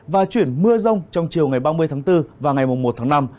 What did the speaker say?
và chuyển mưa rông trong chiều ngày ba mươi tháng bốn và ngày một tháng năm